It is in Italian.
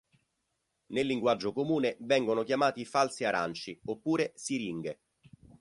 Nel linguaggio comune vengono chiamati falsi aranci oppure siringhe.